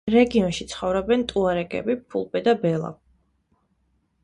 რეგიონში ცხოვრობენ ტუარეგები, ფულბე და ბელა.